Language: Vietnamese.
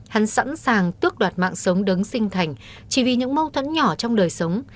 hắn sẵn sàng tước đoạt mạng sống đứng sinh thành chỉ vì những mâu thuẫn nhỏ trong đời sống